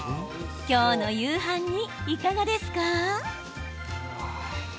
今日の夕飯に、いかがですか？